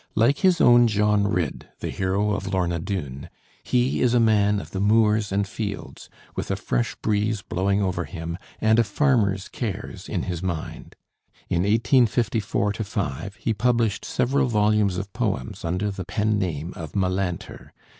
Like his own John Ridd, the hero of 'Lorna Doone,' he is a man of the moors and fields, with a fresh breeze blowing over him and a farmer's cares in his mind. In 1854 5 he published several volumes of poems under the pen name of "Melanter."